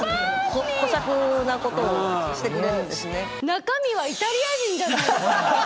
中身はイタリア人じゃないですか。